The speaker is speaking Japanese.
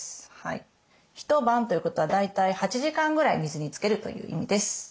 一晩ということは大体８時間ぐらい水につけるという意味です。